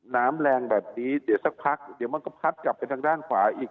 น้ำแรงแบบนี้เดี๋ยวสักพักเดี๋ยวมันก็พัดกลับไปทางด้านขวาอีก